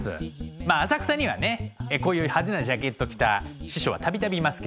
まあ浅草にはねこういう派手なジャケット着た師匠は度々いますけど。